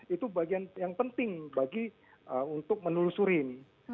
itu bagian yang penting bagi untuk menelusurin